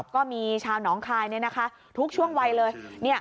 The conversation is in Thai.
ก็มีชาวหนองคายทุกช่วงวัยเลย